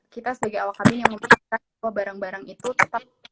kita sebagai awak kami yang mempertimbangkan bahwa barang barang itu tetap